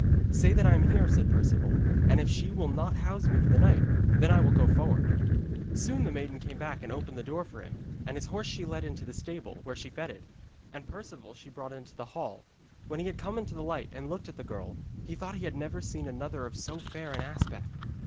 'Say that I am here,' said Perceval. 'And if she will not house me for the night, then will I go forward.' Soon the maiden came back and opened the door for him, and his horse she led into the stable, where she fed it; and Perceval she brought into the hall. When he came into the light and looked at the girl, he thought he had never seen another of so fair an aspect.